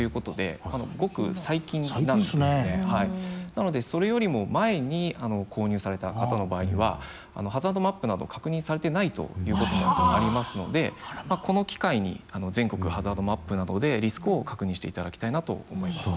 なのでそれよりも前に購入された方の場合にはハザードマップなど確認されてないということもありますのでこの機会に全国ハザードマップなどでリスクを確認していただきたいなと思います。